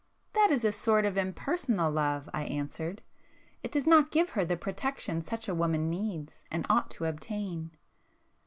"That is a sort of impersonal love;"—I answered—"It does not give her the protection such a woman needs, and ought to obtain."